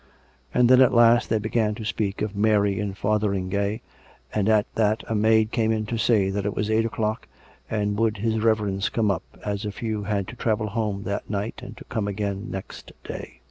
And then at last they began to speak of Mary in Fother ingay and at that a maid came in to say that it was eight o'clock, and would his Reverence come up, as a few had to travel home that night and to come again next day.